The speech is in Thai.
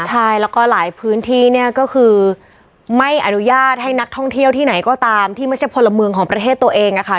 ใช่แล้วก็หลายพื้นที่เนี่ยก็คือไม่อนุญาตให้นักท่องเที่ยวที่ไหนก็ตามที่ไม่ใช่พลเมืองของประเทศตัวเองอะค่ะ